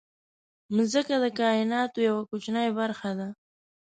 مځکه د کایناتو یوه کوچنۍ برخه ده.